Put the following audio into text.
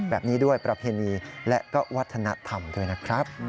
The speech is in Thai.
แบบนี้ด้วยประเพณีและก็วัฒนธรรมด้วยนะครับ